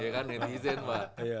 iya kan netizen pak